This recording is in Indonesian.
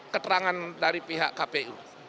keterangan dari pihak kpu